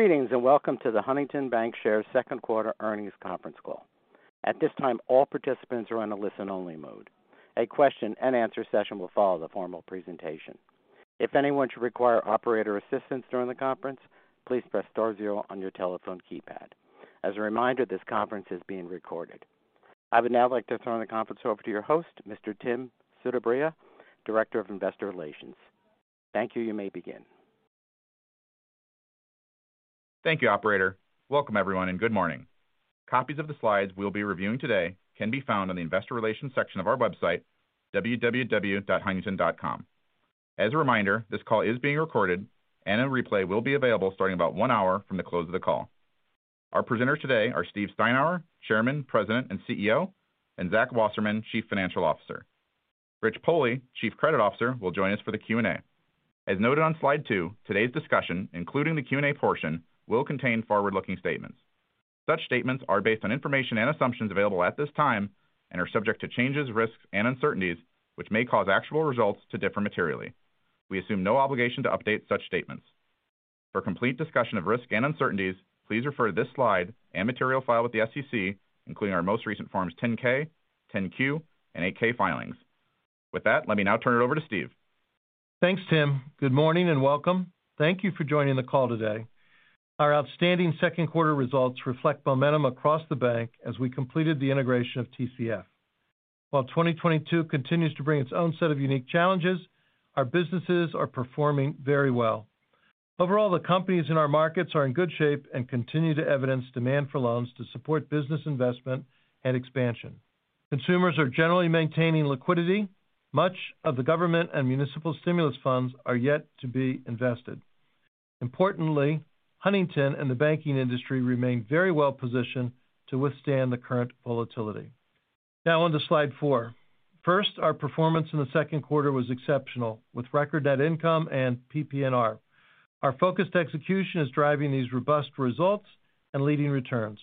Greetings, and welcome to the Huntington Bancshares second quarter earnings conference call. At this time, all participants are on a listen-only mode. A question and answer session will follow the formal presentation. If anyone should require operator assistance during the conference, please press star zero on your telephone keypad. As a reminder, this conference is being recorded. I would now like to turn the conference over to your host, Mr. Tim Sedabres, Director of Investor Relations. Thank you. You may begin. Thank you, operator. Welcome, everyone, and good morning. Copies of the slides we'll be reviewing today can be found on the investor relations section of our website, www.huntington.com. As a reminder, this call is being recorded and a replay will be available starting about one hour from the close of the call. Our presenters today are Steve Steinour, Chairman, President, and CEO, and Zach Wasserman, Chief Financial Officer. Rich Pohle, Chief Credit Officer, will join us for the Q&A. As noted on slide two, today's discussion, including the Q&A portion, will contain forward-looking statements. Such statements are based on information and assumptions available at this time and are subject to changes, risks, and uncertainties, which may cause actual results to differ materially. We assume no obligation to update such statements. For a complete discussion of risks and uncertainties, please refer to this slide and material filed with the SEC, including our most recent Form 10-K, Form 10-Q, and Form 8-K filings. With that, let me now turn it over to Steve. Thanks, Tim. Good morning and welcome. Thank you for joining the call today. Our outstanding second quarter results reflect momentum across the bank as we completed the integration of TCF. While 2022 continues to bring its own set of unique challenges, our businesses are performing very well. Overall, the companies in our markets are in good shape and continue to evidence demand for loans to support business investment and expansion. Consumers are generally maintaining liquidity. Much of the government and municipal stimulus funds are yet to be invested. Importantly, Huntington and the banking industry remain very well positioned to withstand the current volatility. Now on to slide four. First, our performance in the second quarter was exceptional, with record net income and PPNR. Our focused execution is driving these robust results and leading returns.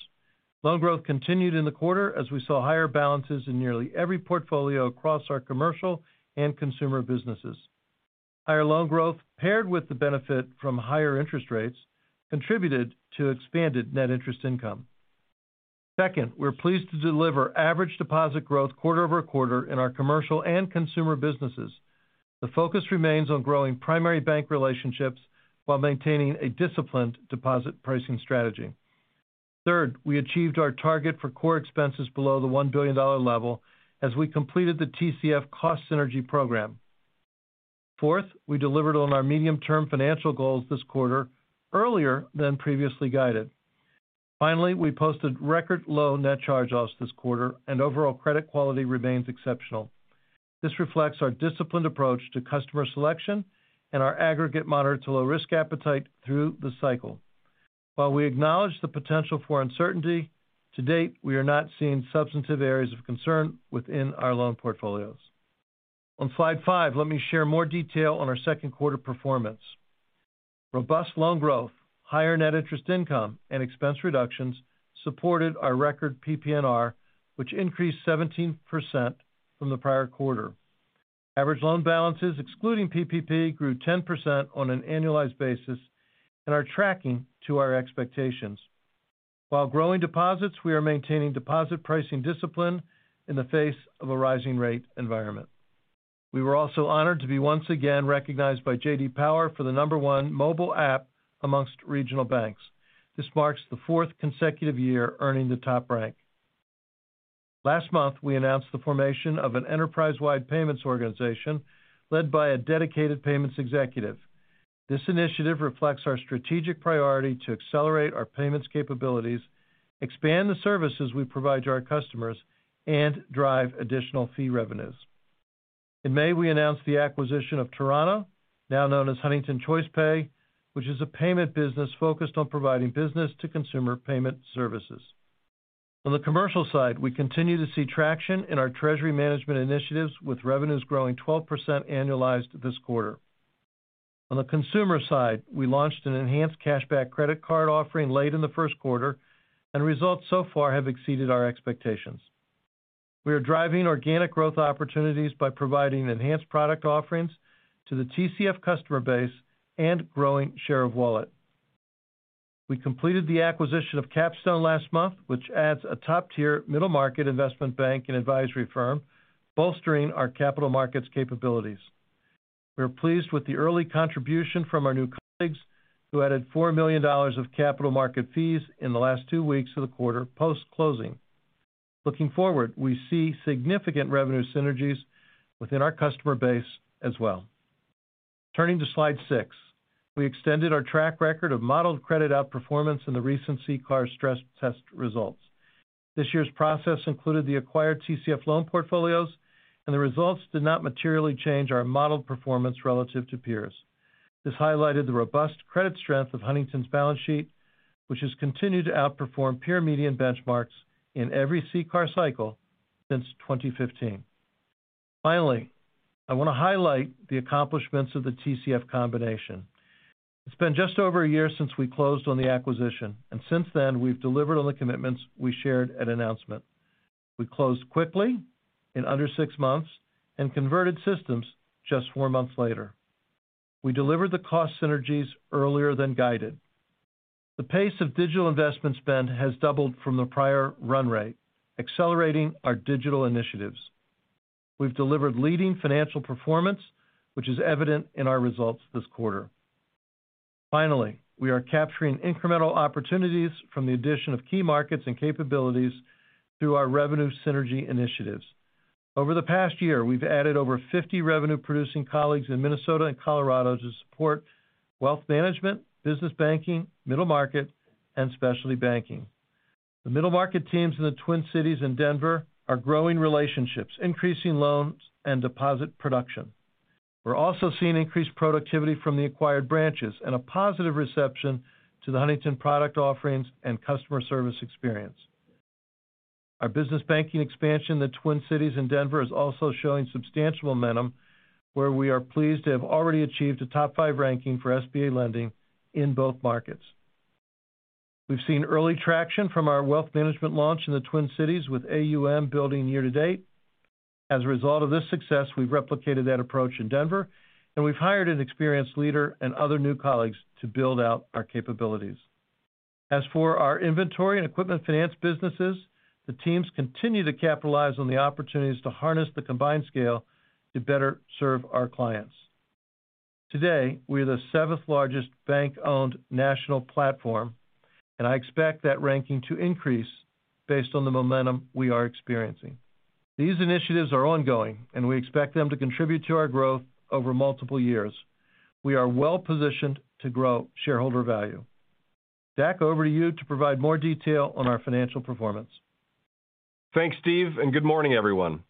Loan growth continued in the quarter as we saw higher balances in nearly every portfolio across our commercial and consumer businesses. Higher loan growth, paired with the benefit from higher interest rates, contributed to expanded net interest income. Second, we're pleased to deliver average deposit growth quarter-over-quarter in our commercial and consumer businesses. The focus remains on growing primary bank relationships while maintaining a disciplined deposit pricing strategy. Third, we achieved our target for core expenses below the $1 billion level as we completed the TCF Cost Synergy program. Fourth, we delivered on our medium-term financial goals this quarter earlier than previously guided. Finally, we posted record low net charge-offs this quarter and overall credit quality remains exceptional. This reflects our disciplined approach to customer selection and our aggregate moderate to low risk appetite through the cycle. While we acknowledge the potential for uncertainty, to date, we are not seeing substantive areas of concern within our loan portfolios. On slide five, let me share more detail on our second quarter performance. Robust loan growth, higher net interest income, and expense reductions supported our record PPNR, which increased 17% from the prior quarter. Average loan balances, excluding PPP, grew 10% on an annualized basis and are tracking to our expectations. While growing deposits, we are maintaining deposit pricing discipline in the face of a rising rate environment. We were also honored to be once again recognized by J.D. Power for the number one mobile app among regional banks. This marks the fourth consecutive year earning the top rank. Last month, we announced the formation of an enterprise-wide payments organization led by a dedicated payments executive. This initiative reflects our strategic priority to accelerate our payments capabilities, expand the services we provide to our customers, and drive additional fee revenues. In May, we announced the acquisition of Torana, now known as Huntington ChoicePay, which is a payment business focused on providing business to consumer payment services. On the commercial side, we continue to see traction in our treasury management initiatives with revenues growing 12% annualized this quarter. On the consumer side, we launched an enhanced cashback credit card offering late in the first quarter, and results so far have exceeded our expectations. We are driving organic growth opportunities by providing enhanced product offerings to the TCF customer base and growing share of wallet. We completed the acquisition of Capstone last month, which adds a top-tier middle market investment bank and advisory firm, bolstering our capital markets capabilities. We're pleased with the early contribution from our new colleagues, who added $4 million of capital market fees in the last two weeks of the quarter post-closing. Looking forward, we see significant revenue synergies within our customer base as well. Turning to slide six. We extended our track record of modeled credit outperformance in the recent CCAR stress test results. This year's process included the acquired TCF loan portfolios, and the results did not materially change our modeled performance relative to peers. This highlighted the robust credit strength of Huntington's balance sheet, which has continued to outperform peer median benchmarks in every CCAR cycle since 2015. Finally, I want to highlight the accomplishments of the TCF combination. It's been just over a year since we closed on the acquisition, and since then, we've delivered on the commitments we shared at announcement. We closed quickly in under six months and converted systems just four months later. We delivered the cost synergies earlier than guided. The pace of digital investment spend has doubled from the prior run rate, accelerating our digital initiatives. We've delivered leading financial performance, which is evident in our results this quarter. Finally, we are capturing incremental opportunities from the addition of key markets and capabilities through our revenue synergy initiatives. Over the past year, we've added over 50 revenue-producing colleagues in Minnesota and Colorado to support wealth management, business banking, middle market, and specialty banking. The middle market teams in the Twin Cities and Denver are growing relationships, increasing loans and deposit production. We're also seeing increased productivity from the acquired branches and a positive reception to the Huntington product offerings and customer service experience. Our business banking expansion in the Twin Cities and Denver is also showing substantial momentum, where we are pleased to have already achieved a top five ranking for SBA lending in both markets. We've seen early traction from our wealth management launch in the Twin Cities with AUM building year to date. As a result of this success, we've replicated that approach in Denver, and we've hired an experienced leader and other new colleagues to build out our capabilities. As for our inventory and equipment finance businesses, the teams continue to capitalize on the opportunities to harness the combined scale to better serve our clients. Today, we are the seventh largest bank owned national platform, and I expect that ranking to increase based on the momentum we are experiencing. These initiatives are ongoing and we expect them to contribute to our growth over multiple years. We are well-positioned to grow shareholder value. Zach, over to you to provide more detail on our financial performance. Thanks, Steve, and good morning, everyone.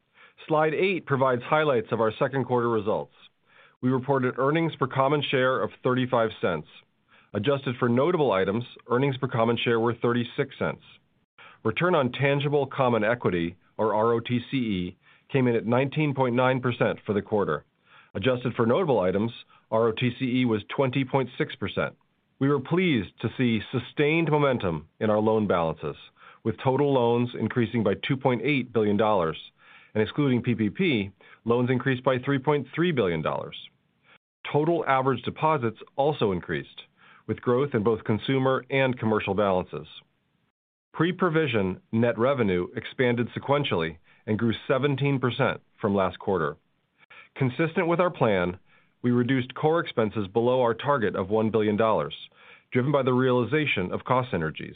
Slide 8 provides highlights of our second quarter results. We reported earnings per common share of $0.35. Adjusted for notable items, earnings per common share were $0.36. Return on tangible common equity, or ROTCE, came in at 19.9% for the quarter. Adjusted for notable items, ROTCE was 20.6%. We were pleased to see sustained momentum in our loan balances, with total loans increasing by $2.8 billion and excluding PPP, loans increased by $3.3 billion. Total average deposits also increased with growth in both consumer and commercial balances. Pre-provision net revenue expanded sequentially and grew 17% from last quarter. Consistent with our plan, we reduced core expenses below our target of $1 billion, driven by the realization of cost synergies.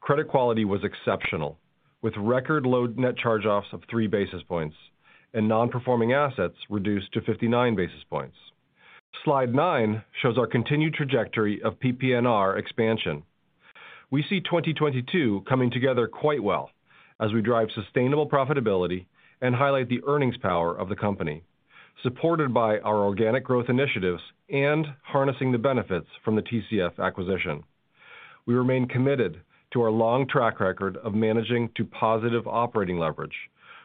Credit quality was exceptional, with record low net charge-offs of 3 basis points and non-performing assets reduced to 59 basis points. Slide nine shows our continued trajectory of PPNR expansion. We see 2022 coming together quite well as we drive sustainable profitability and highlight the earnings power of the company, supported by our organic growth initiatives and harnessing the benefits from the TCF acquisition. We remain committed to our long track record of managing to positive operating leverage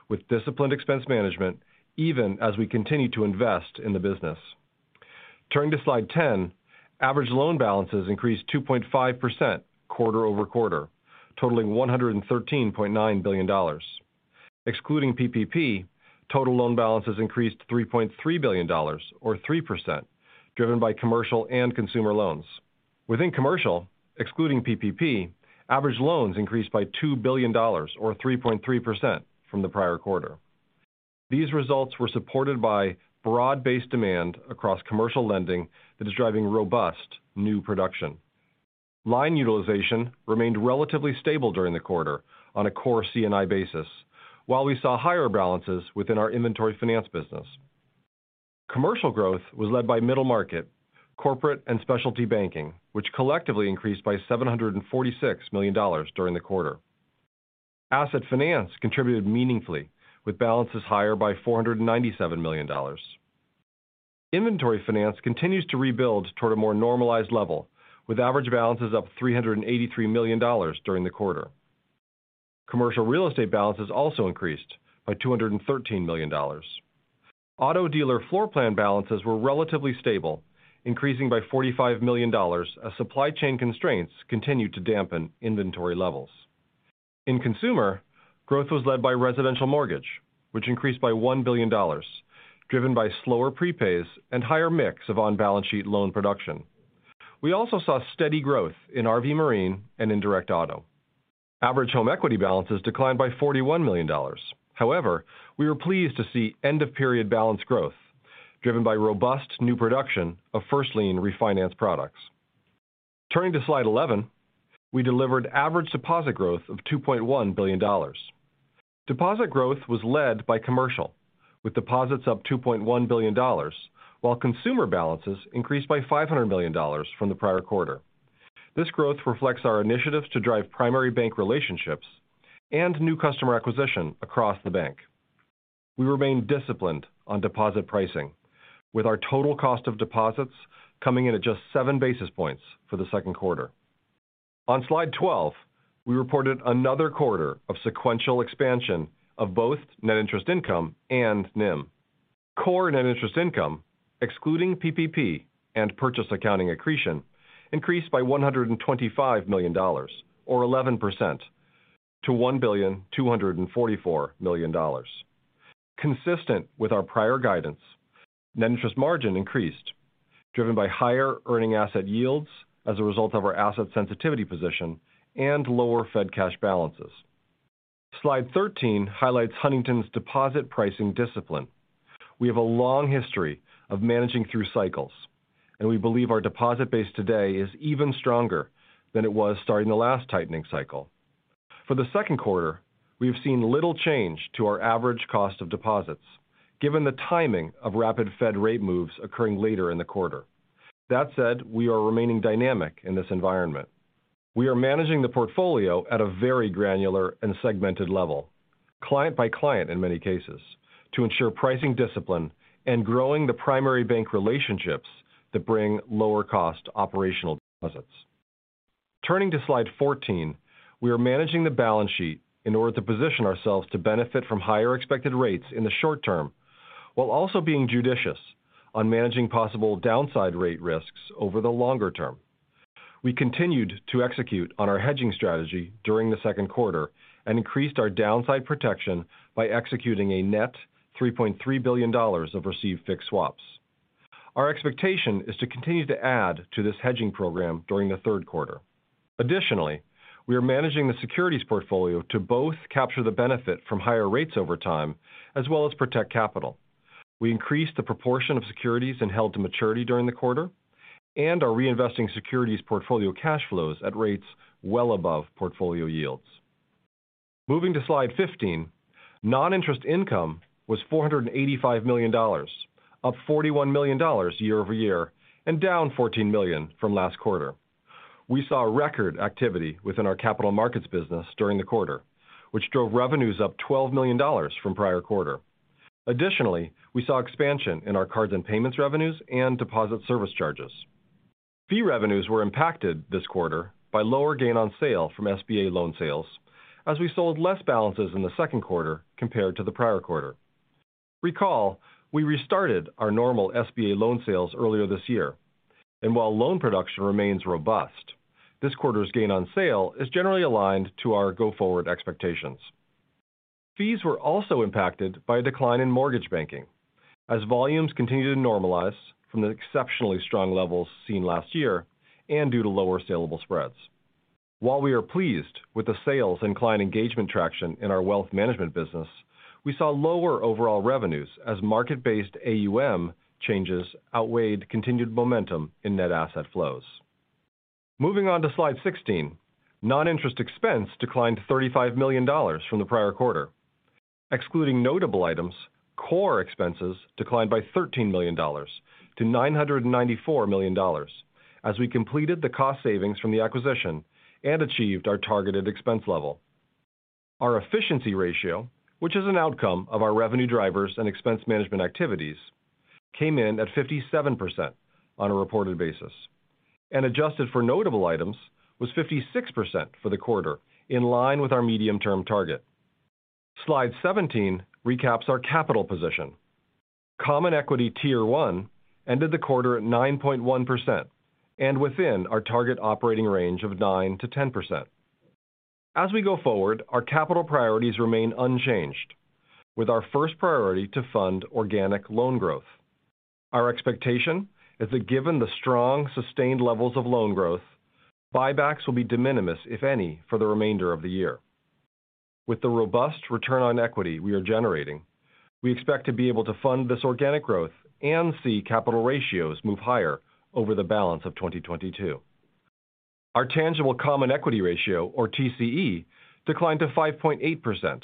with disciplined expense management even as we continue to invest in the business. Turning to Slide 10, average loan balances increased 2.5% quarter-over-quarter, totaling $113.9 billion. Excluding PPP, total loan balances increased $3.3 billion or 3%, driven by commercial and consumer loans. Within commercial, excluding PPP, average loans increased by $2 billion or 3.3% from the prior quarter. These results were supported by broad-based demand across commercial lending that is driving robust new production. Line utilization remained relatively stable during the quarter on a core C&I basis, while we saw higher balances within our inventory finance business. Commercial growth was led by middle market, corporate and specialty banking, which collectively increased by $746 million during the quarter. Asset finance contributed meaningfully with balances higher by $497 million. Inventory finance continues to rebuild toward a more normalized level, with average balances up $383 million during the quarter. Commercial real estate balances also increased by $213 million. Auto dealer floor plan balances were relatively stable, increasing by $45 million as supply chain constraints continued to dampen inventory levels. In consumer, growth was led by residential mortgage, which increased by $1 billion, driven by slower prepays and higher mix of on-balance sheet loan production. We also saw steady growth in RV and Marine and indirect auto. Average home equity balances declined by $41 million. However, we were pleased to see end of period balance growth driven by robust new production of first lien refinance products. Turning to slide 11, we delivered average deposit growth of $2.1 billion. Deposit growth was led by commercial, with deposits up $2.1 billion, while consumer balances increased by $500 million from the prior quarter. This growth reflects our initiatives to drive primary bank relationships and new customer acquisition across the bank. We remain disciplined on deposit pricing, with our total cost of deposits coming in at just 7 basis points for the second quarter. On slide 12, we reported another quarter of sequential expansion of both net interest income and NIM. Core net interest income, excluding PPP and purchase accounting accretion, increased by $125 million, or 11% to $1.244 billion. Consistent with our prior guidance, net interest margin increased, driven by higher earning asset yields as a result of our asset sensitivity position and lower Fed cash balances. Slide 13 highlights Huntington's deposit pricing discipline. We have a long history of managing through cycles, and we believe our deposit base today is even stronger than it was starting the last tightening cycle. For the second quarter, we have seen little change to our average cost of deposits given the timing of rapid Fed rate moves occurring later in the quarter. That said, we are remaining dynamic in this environment. We are managing the portfolio at a very granular and segmented level, client by client in many cases, to ensure pricing discipline and growing the primary bank relationships that bring lower cost operational deposits. Turning to slide 14, we are managing the balance sheet in order to position ourselves to benefit from higher expected rates in the short term, while also being judicious on managing possible downside rate risks over the longer term. We continued to execute on our hedging strategy during the second quarter and increased our downside protection by executing a net $3.3 billion of received fixed swaps. Our expectation is to continue to add to this hedging program during the third quarter. Additionally, we are managing the securities portfolio to both capture the benefit from higher rates over time as well as protect capital. We increased the proportion of securities held to maturity during the quarter and are reinvesting securities portfolio cash flows at rates well above portfolio yields. Moving to slide 15, non-interest income was $485 million, up $41 million year-over-year and down $14 million from last quarter. We saw record activity within our capital markets business during the quarter, which drove revenues up $12 million from prior quarter. Additionally, we saw expansion in our cards and payments revenues and deposit service charges. Fee revenues were impacted this quarter by lower gain on sale from SBA loan sales as we sold less balances in the second quarter compared to the prior quarter. Recall, we restarted our normal SBA loan sales earlier this year, and while loan production remains robust, this quarter's gain on sale is generally aligned to our go-forward expectations. Fees were also impacted by a decline in mortgage banking as volumes continue to normalize from the exceptionally strong levels seen last year and due to lower salable spreads. While we are pleased with the sales and client engagement traction in our wealth management business, we saw lower overall revenues as market-based AUM changes outweighed continued momentum in net asset flows. Moving on to slide 16, non-interest expense declined $35 million from the prior quarter. Excluding notable items, core expenses declined by $13 million-$994 million as we completed the cost savings from the acquisition and achieved our targeted expense level. Our efficiency ratio, which is an outcome of our revenue drivers and expense management activities, came in at 57% on a reported basis, and adjusted for notable items was 56% for the quarter in line with our medium-term target. Slide 17 recaps our capital position. Common equity tier one ended the quarter at 9.1% and within our target operating range of 9%-10%. As we go forward, our capital priorities remain unchanged, with our first priority to fund organic loan growth. Our expectation is that given the strong sustained levels of loan growth, buybacks will be de minimis if any, for the remainder of the year. With the robust return on equity we are generating, we expect to be able to fund this organic growth and see capital ratios move higher over the balance of 2022. Our tangible common equity ratio, or TCE, declined to 5.8%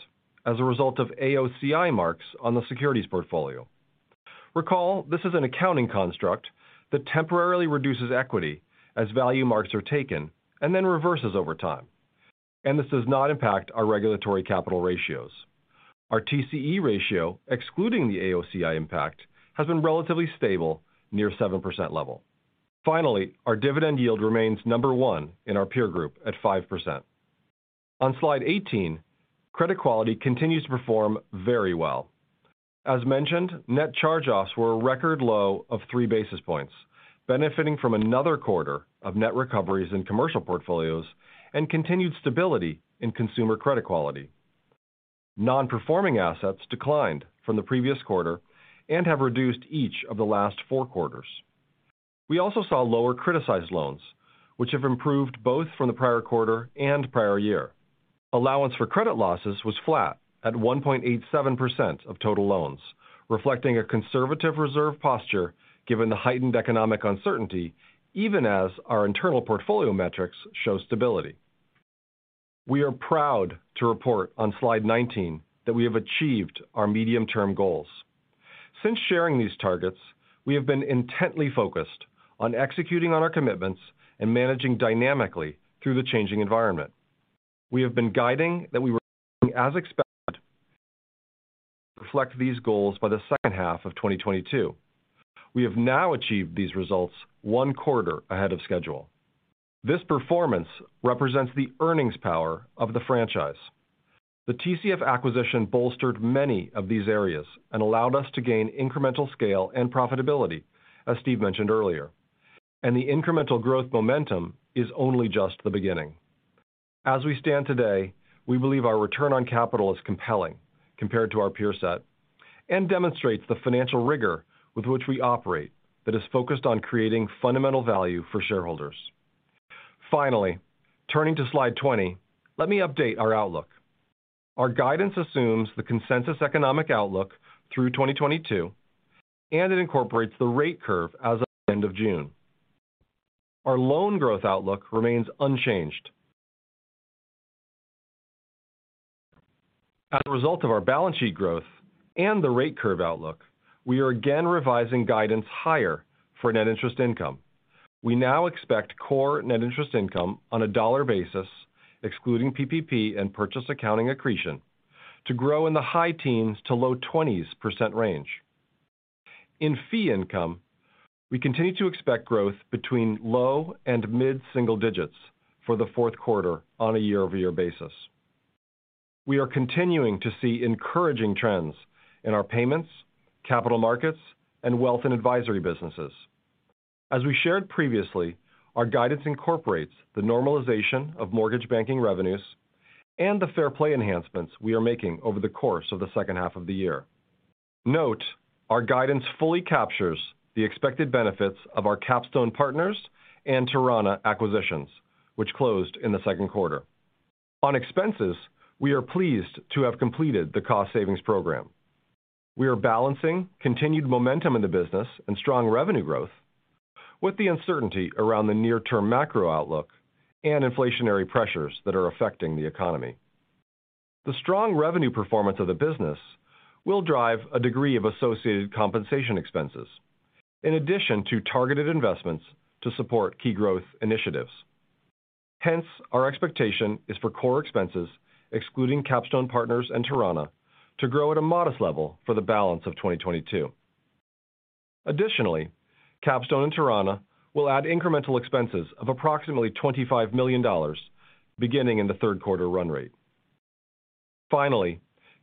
as a result of AOCI marks on the securities portfolio. Recall, this is an accounting construct that temporarily reduces equity as value marks are taken and then reverses over time. This does not impact our regulatory capital ratios. Our TCE ratio, excluding the AOCI impact, has been relatively stable near 7% level. Finally, our dividend yield remains number one in our peer group at 5%. On slide 18, credit quality continues to perform very well. As mentioned, net charge-offs were a record low of 3 basis points, benefiting from another quarter of net recoveries in commercial portfolios and continued stability in consumer credit quality. Non-performing assets declined from the previous quarter and have reduced each of the last four quarters. We also saw lower criticized loans, which have improved both from the prior quarter and prior year. Allowance for credit losses was flat at 1.87% of total loans, reflecting a conservative reserve posture given the heightened economic uncertainty even as our internal portfolio metrics show stability. We are proud to report on slide 19 that we have achieved our medium-term goals. Since sharing these targets, we have been intently focused on executing on our commitments and managing dynamically through the changing environment. We have been guiding that we were performing as expected and would reflect these goals by the second half of 2022. We have now achieved these results one quarter ahead of schedule. This performance represents the earnings power of the franchise. The TCF acquisition bolstered many of these areas and allowed us to gain incremental scale and profitability, as Steve mentioned earlier. The incremental growth momentum is only just the beginning. As we stand today, we believe our return on capital is compelling compared to our peer set and demonstrates the financial rigor with which we operate that is focused on creating fundamental value for shareholders. Finally, turning to slide 20, let me update our outlook. Our guidance assumes the consensus economic outlook through 2022, and it incorporates the rate curve as of the end of June. Our loan growth outlook remains unchanged. As a result of our balance sheet growth and the rate curve outlook, we are again revising guidance higher for net interest income. We now expect core net interest income on a dollar basis, excluding PPP and purchase accounting accretion to grow in the high-teens to low 20s range. In fee income, we continue to expect growth between low and mid-single digits for the fourth quarter on a year-over-year basis. We are continuing to see encouraging trends in our payments, capital markets, and wealth and advisory businesses. As we shared previously, our guidance incorporates the normalization of mortgage banking revenues and the Fair Play enhancements we are making over the course of the second half of the year. Note, our guidance fully captures the expected benefits of our Capstone Partners and Torana acquisitions, which closed in the second quarter. On expenses, we are pleased to have completed the cost savings program. We are balancing continued momentum in the business and strong revenue growth with the uncertainty around the near-term macro outlook and inflationary pressures that are affecting the economy. The strong revenue performance of the business will drive a degree of associated compensation expenses, in addition to targeted investments to support key growth initiatives. Hence, our expectation is for core expenses, excluding Capstone Partners and Torana, to grow at a modest level for the balance of 2022. Additionally, Capstone and Torana will add incremental expenses of approximately $25 million beginning in the third quarter run rate. Finally,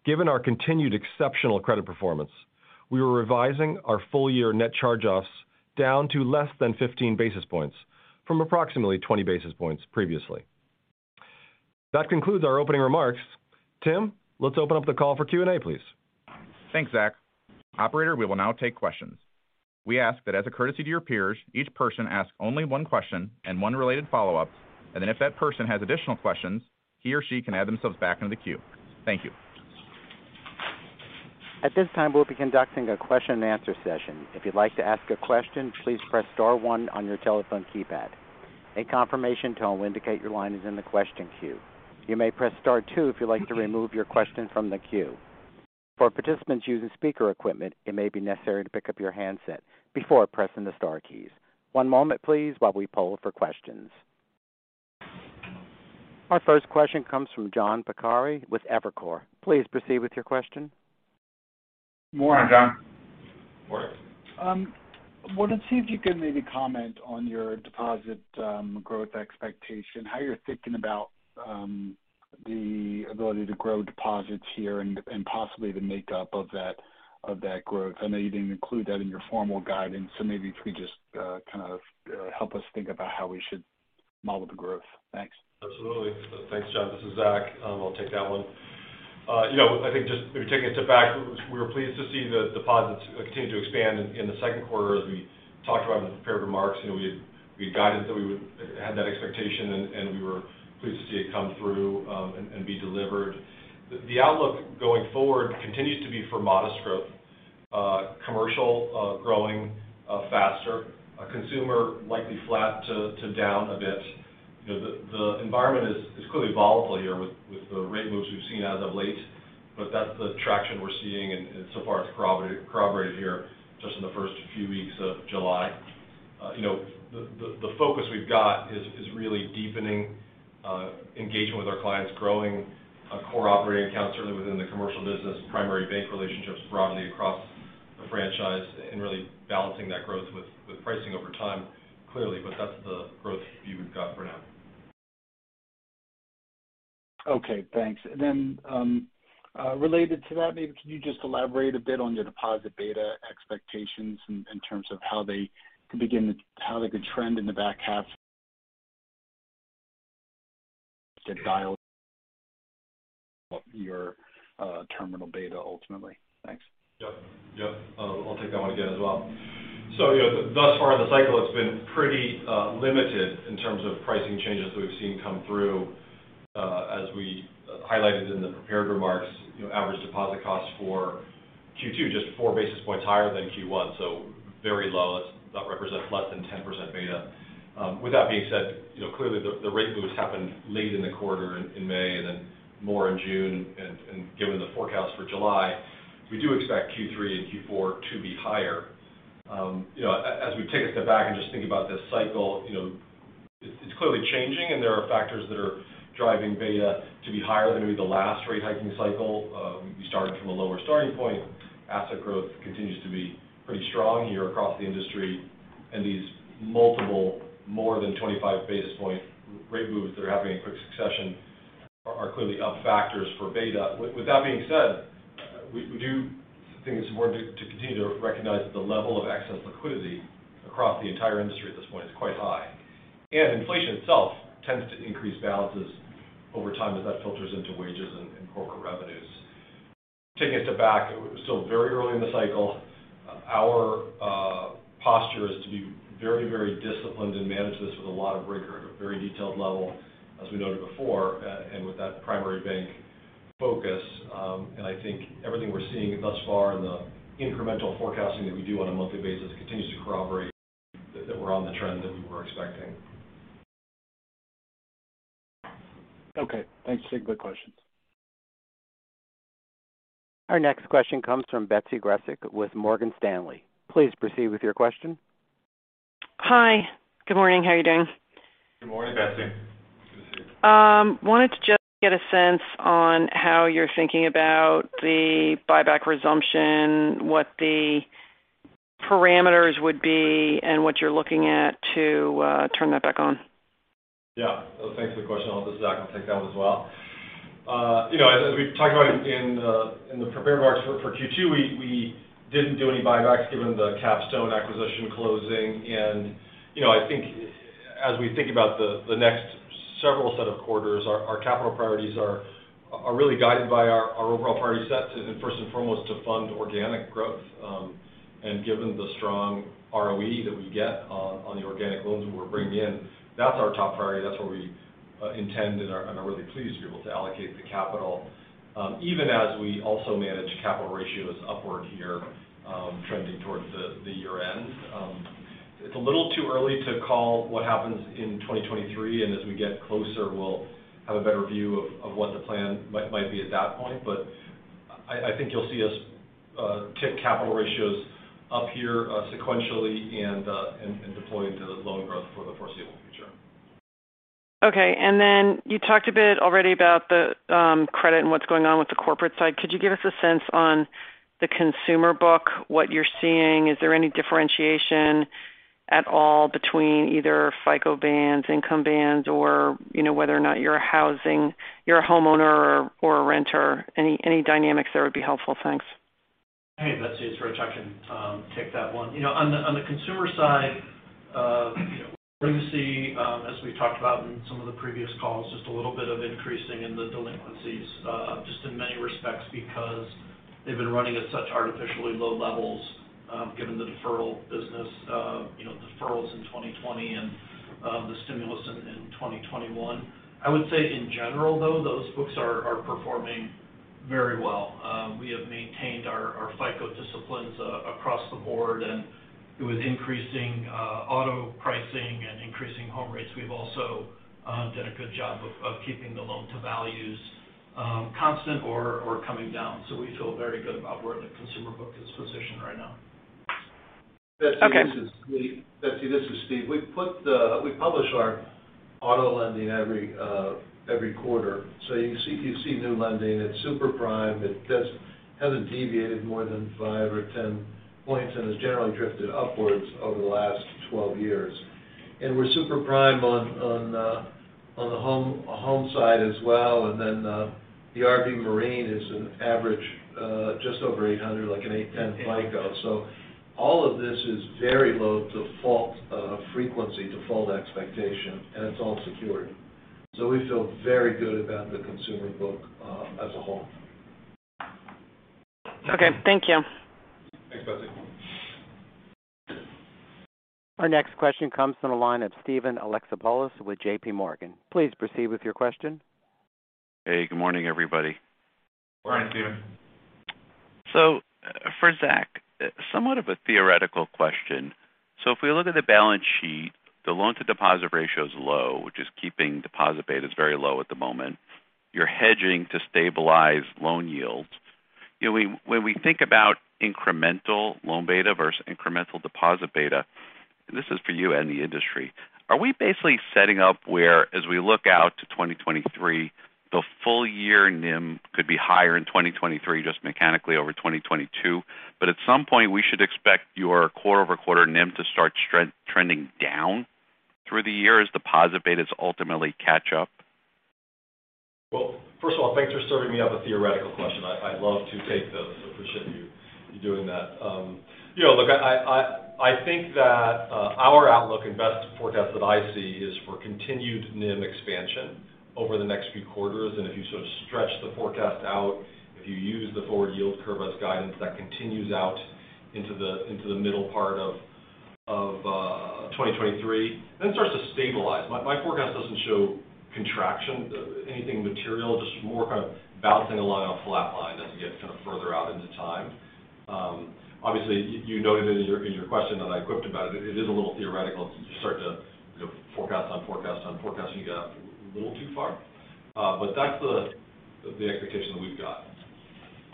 given our continued exceptional credit performance, we are revising our full-year net charge-offs down to less than 15 basis points from approximately 20 basis points previously. That concludes our opening remarks. Tim, let's open up the call for Q&A, please. Thanks, Zach. Operator, we will now take questions. We ask that as a courtesy to your peers, each person ask only one question and one related follow-up. If that person has additional questions, he or she can add themselves back into the queue. Thank you. At this time, we'll be conducting a question and answer session. If you'd like to ask a question, please press star one on your telephone keypad. A confirmation tone will indicate your line is in the question queue. You may press star two if you'd like to remove your question from the queue. For participants using speaker equipment, it may be necessary to pick up your handset before pressing the star keys. One moment, please, while we poll for questions. Our first question comes from John Pancari with Evercore. Please proceed with your question. Morning, John. Morning. Wanted to see if you could maybe comment on your deposit growth expectation, how you're thinking about the ability to grow deposits here and possibly the makeup of that growth. I know you didn't include that in your formal guidance, so maybe if you just kind of help us think about how we should model the growth. Thanks. Absolutely. Thanks, John. This is Zach. I'll take that one. You know, I think just maybe taking a step back, we were pleased to see the deposits continue to expand in the second quarter as we talked about in the prepared remarks. You know, we had guidance that we would have that expectation and we were pleased to see it come through and be delivered. The outlook going forward continues to be for modest growth, commercial growing faster, consumer likely flat to down a bit. You know, the environment is clearly volatile here with the rate moves we've seen as of late, but that's the traction we're seeing and so far it's corroborated here just in the first few weeks of July. You know, the focus we've got is really deepening engagement with our clients, growing core operating accounts, certainly within the commercial business, primary bank relationships broadly across the franchise, and really balancing that growth with pricing over time, clearly. That's the growth view we've got for now. Okay, thanks. Related to that, maybe can you just elaborate a bit on your deposit beta expectations in terms of how they could trend in the back half to dial in your terminal beta ultimately. Thanks. Yep. I'll take that one again as well. You know, thus far in the cycle, it's been pretty limited in terms of pricing changes that we've seen come through. As we highlighted in the prepared remarks, you know, average deposit costs for Q2 just four basis points higher than Q1, so very low. That represents less than 10% beta. With that being said, you know, clearly the rate moves happened late in the quarter in May and then more in June and given the forecast for July, we do expect Q3 and Q4 to be higher. You know, as we take a step back and just think about this cycle, you know, it's clearly changing, and there are factors that are driving beta to be higher than maybe the last rate hiking cycle. We started from a lower starting point. Asset growth continues to be pretty strong here across the industry. These multiple more than 25 basis point rate moves that are happening in quick succession are clearly up factors for beta. With that being said, we do think it's important to continue to recognize that the level of excess liquidity across the entire industry at this point is quite high. Inflation itself tends to increase balances over time as that filters into wages and corporate revenues. Taking a step back, we're still very early in the cycle. Our posture is to be very, very disciplined and manage this with a lot of rigor at a very detailed level, as we noted before, and with that primary bank focus. I think everything we're seeing thus far and the incremental forecasting that we do on a monthly basis continues to corroborate that we're on the trend that we were expecting. Okay. Thanks. Our next question comes from Betsy Graseck with Morgan Stanley. Please proceed with your question. Hi. Good morning. How are you doing? Good morning, Betsy. Good to see you. Wanted to just get a sense on how you're thinking about the buyback resumption, what the parameters would be, and what you're looking at to turn that back on? Yeah. Thanks for the question. I'll let Zach take that one as well. You know, as we've talked about in the prepared remarks for Q2, we didn't do any buybacks given the Capstone acquisition closing. You know, I think as we think about the next several set of quarters, our capital priorities are really guided by our overall priority set to first and foremost, to fund organic growth. Given the strong ROE that we get on the organic loans we're bringing in, that's our top priority. That's where we intend and are really pleased to be able to allocate the capital, even as we also manage capital ratios upward here, trending towards the year-end. It's a little too early to call what happens in 2023, and as we get closer, we'll have a better view of what the plan might be at that point. I think you'll see us tick capital ratios up here sequentially and deploy into the loan growth for the foreseeable future. Okay. You talked a bit already about the credit and what's going on with the corporate side. Could you give us a sense on the consumer book, what you're seeing? Is there any differentiation at all between either FICO bands, income bands or, you know, whether or not you're a homeowner or a renter? Any dynamics there would be helpful. Thanks. Hey, Betsy, it's Rich Pohle. I can take that one. You know, on the consumer side, you know, we're going to see, as we talked about in some of the previous calls, just a little bit of increasing in the delinquencies, just in many respects because they've been running at such artificially low levels, given the deferral business, you know, deferrals in 2020 and the stimulus in 2021. I would say in general, though, those books are performing very well. We have maintained our FICO disciplines across the board. With increasing auto pricing and increasing home rates, we've also done a good job of keeping the loan to values constant or coming down. We feel very good about where the consumer book is positioned right now. Okay. Betsy, this is Steve. We publish our auto lending every quarter. If you see new lending at super prime, it hasn't deviated more than 5 points or 10 points and has generally drifted upwards over the last 12 years. We're super prime on the home side as well. Then, the RV and Marine is an average just over 800 FICO, like an 810 FICO. All of this is very low default frequency default expectation, and it's all secured. We feel very good about the consumer book as a whole. Okay. Thank you. Thanks, Betsy. Our next question comes from the line of Steven Alexopoulos with J.P. Morgan. Please proceed with your question. Hey, good morning, everybody. Morning, Steven. For Zach, somewhat of a theoretical question. If we look at the balance sheet, the loan to deposit ratio is low, which is keeping deposit betas very low at the moment. You're hedging to stabilize loan yields. You know, when we think about incremental loan beta versus incremental deposit beta, and this is for you and the industry, are we basically setting up whereas we look out to 2023, the full year NIM could be higher in 2023 just mechanically over 2022? At some point, we should expect your quarter-over-quarter NIM to start trending down through the year as deposit betas ultimately catch up. Well, first of all, thanks for serving me up a theoretical question. I love to take those. I appreciate you doing that. You know, look, I think that our outlook and best forecast that I see is for continued NIM expansion over the next few quarters. If you sort of stretch the forecast out, if you use the forward yield curve as guidance, that continues out into the middle part of 2023, then starts to stabilize. My forecast doesn't show contraction, anything material, just more kind of bouncing along a flat line as we get kind of further out into time. Obviously, you noted in your question that I quipped about it. It is a little theoretical to start to, you know, forecast on forecast, and you get a little too far. That's the expectation that we've got.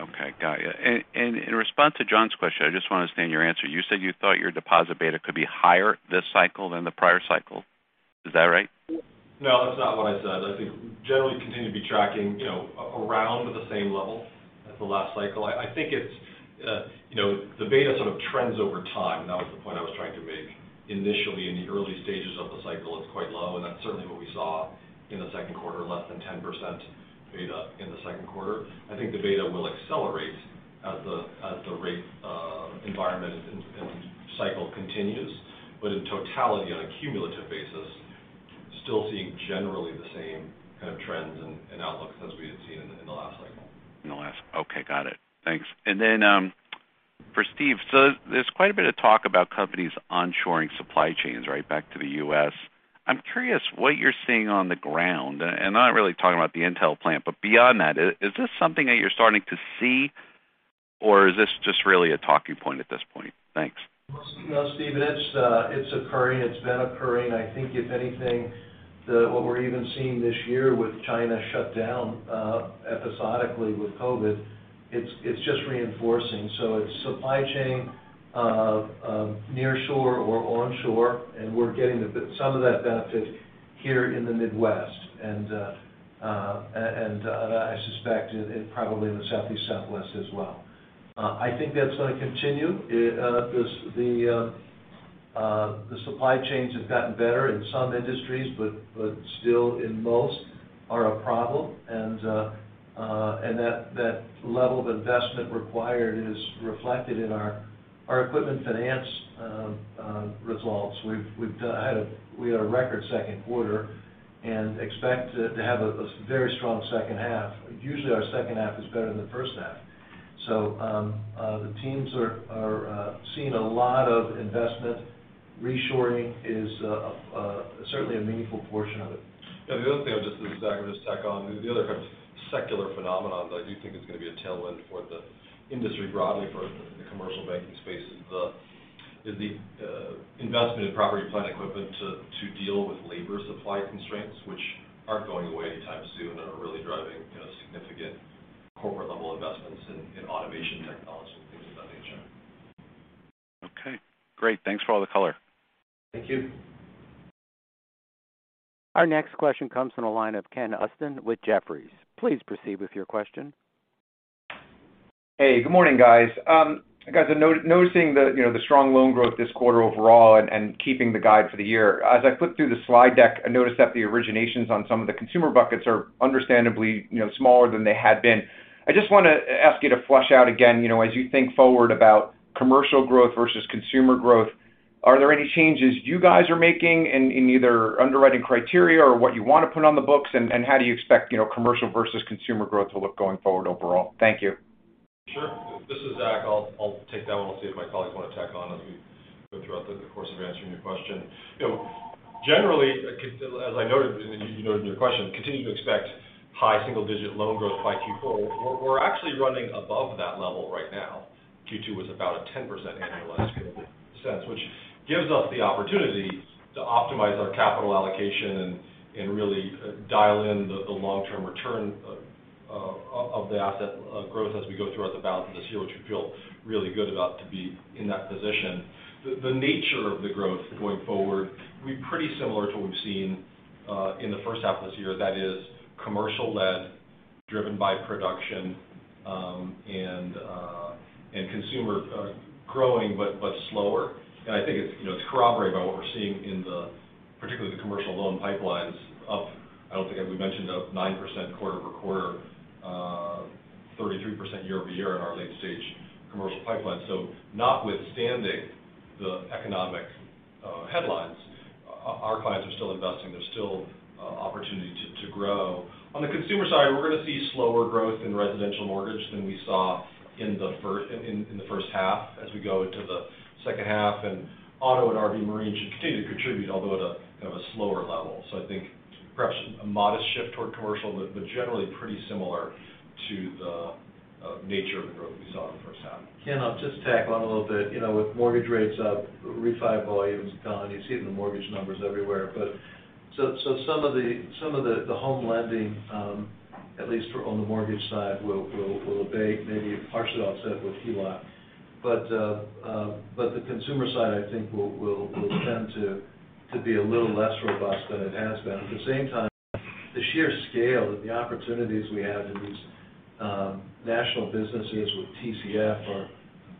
Okay. Got you. In response to John's question, I just want to understand your answer. You said you thought your deposit beta could be higher this cycle than the prior cycle. Is that right? No, that's not what I said. I think we generally continue to be tracking, you know, around the same level at the last cycle. I think it's, you know, the beta sort of trends over time. That was the point I was trying to make. Initially, in the early stages of the cycle, it's quite low, and that's certainly what we saw in the second quarter, less than 10% beta in the second quarter. I think the beta will accelerate as the rate environment and cycle continues. In totality, on a cumulative basis, still seeing generally the same kind of trends and outlooks as we had seen in the last cycle. Got it. Thanks. For Steve. There's quite a bit of talk about companies onshoring supply chains right back to the U.S. I'm curious what you're seeing on the ground, and I'm not really talking about the Intel plant, but beyond that, is this something that you're starting to see, or is this just really a talking point at this point? Thanks. Well, no, Steven, it's occurring. It's been occurring. I think if anything, what we're even seeing this year with China shut down episodically with COVID, it's just reinforcing. It's supply chain nearshore or onshore, and we're getting some of that benefit here in the Midwest. I suspect probably in the Southeast, Southwest as well. I think that's going to continue. The supply chains have gotten better in some industries, but still in most are a problem. That level of investment required is reflected in our equipment finance results. We had a record second quarter and expect to have a very strong second half. Usually, our second half is better than the first half. The teams are seeing a lot of investment. Reshoring is certainly a meaningful portion of it. The other thing I'll just tack on, Zach. The other kind of secular phenomenon that I do think is going to be a tailwind for the industry broadly for the commercial banking space is the investment in property, plant, and equipment to deal with labor supply constraints, which aren't going away anytime soon and are really driving, you know, significant corporate level investments in automation technology and things of that nature. Okay. Great. Thanks for all the color. Thank you. Our next question comes from the line of Ken Usdin with Jefferies. Please proceed with your question. Hey, good morning, guys. Guys, I'm noticing the, you know, the strong loan growth this quarter overall and keeping the guide for the year. As I flipped through the slide deck, I noticed that the originations on some of the consumer buckets are understandably, you know, smaller than they had been. I just want to ask you to flesh out again, you know, as you think forward about commercial growth versus consumer growth. Are there any changes you guys are making in either underwriting criteria or what you want to put on the books? How do you expect, you know, commercial versus consumer growth to look going forward overall? Thank you. Sure. This is Zach. I'll take that one. We'll see if my colleagues want to tack on as we go throughout the course of answering your question. You know, generally, as I noted, and you noted in your question, continue to expect high single digit loan growth by Q4. We're actually running above that level right now. Q2 was about a 10% annualized growth rate since, which gives us the opportunity to optimize our capital allocation and really dial in the long-term return of the asset growth as we go throughout the balance of this year, which we feel really good about to be in that position. The nature of the growth going forward will be pretty similar to what we've seen in the first half of this year. That is commercial-led, driven by production, and consumer, growing but slower. I think it's, you know, corroborated by what we're seeing in the, particularly the commercial loan pipelines up. I don't think we mentioned, up 9% quarter-over-quarter, 33% year-over-year in our late stage commercial pipeline. Notwithstanding the economic headlines, our clients are still investing. There's still opportunity to grow. On the consumer side, we're going to see slower growth in residential mortgage than we saw in the first half as we go into the second half. Auto and RV and Marine should continue to contribute, although at a kind of slower level. I think perhaps a modest shift toward commercial, but generally pretty similar to the nature of the growth we saw in the first half. Ken, I'll just tack on a little bit. You know, with mortgage rates up, refi volumes down, you've seen the mortgage numbers everywhere. Some of the home lending, at least on the mortgage side, will abate, maybe partially offset with HELOC. The consumer side, I think, will tend to be a little less robust than it has been. At the same time, the sheer scale of the opportunities we have in these national businesses with TCF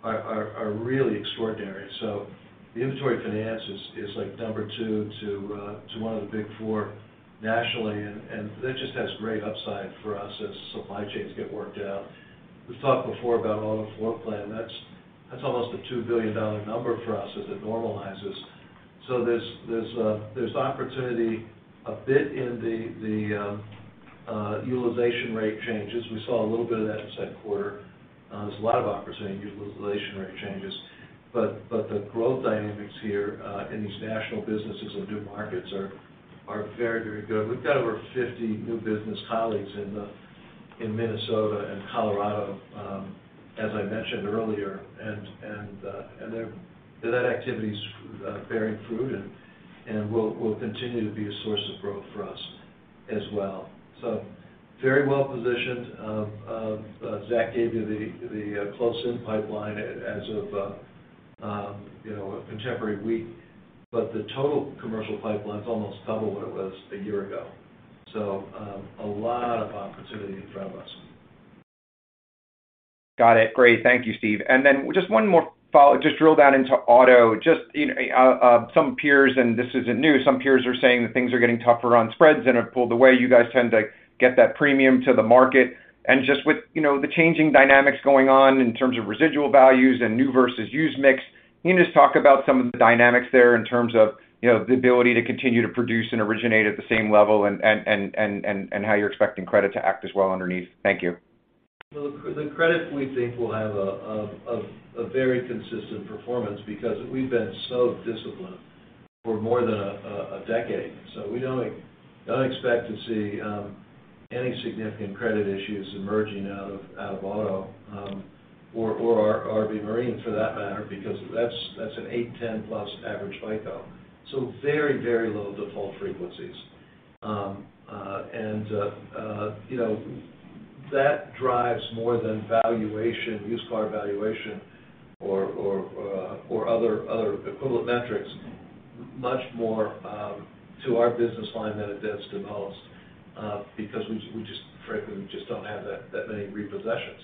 are really extraordinary. The inventory finance is like number two to one of the big four nationally, and that just has great upside for us as supply chains get worked out. We've talked before about auto floor plan. That's almost a $2 billion number for us as it normalizes. There's opportunity a bit in the utilization rate changes. We saw a little bit of that in the second quarter. There's a lot of opportunity in utilization rate changes. The growth dynamics here in these national businesses and new markets are very good. We've got over 50 new business colleagues in Minnesota and Colorado, as I mentioned earlier. That activity's bearing fruit and will continue to be a source of growth for us as well. Very well positioned. Zach gave you the close-in pipeline as of, you know, a comparable week. The total commercial pipeline is almost double what it was a year ago. A lot of opportunity in front of us. Got it. Great. Thank you, Steve. Then just one more follow. Just drill down into auto. Just, you know, some peers, and this isn't new, some peers are saying that things are getting tougher on spreads and have pulled away. You guys tend to get that premium to the market. Just with, you know, the changing dynamics going on in terms of residual values and new versus used mix, can you just talk about some of the dynamics there in terms of, you know, the ability to continue to produce and originate at the same level and how you're expecting credit to act as well underneath? Thank you. The credit we think will have a very consistent performance because we've been so disciplined for more than a decade. We don't expect to see any significant credit issues emerging out of auto or our RV and Marine for that matter, because that's an 810+ average FICO. Very low default frequencies. You know, that drives more than valuation, used car valuation or other equivalent metrics much more to our business line than it does to most, because we just frankly don't have that many repossessions.